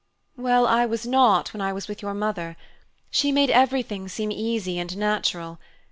"Well, I was not when I was with your mother. She made everything seem easy and natural.